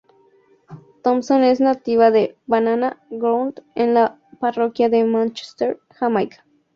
Thompson es nativa de Banana Ground en la parroquia de Manchester, Jamaica.